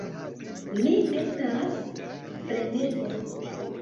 Li estas freneza